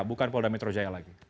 bukan polda metro jaya lagi